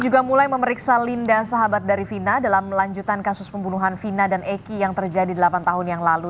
juga mulai memeriksa linda sahabat dari vina dalam lanjutan kasus pembunuhan vina dan eki yang terjadi delapan tahun yang lalu